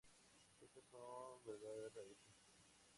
Estas son sus verdaderas raíces".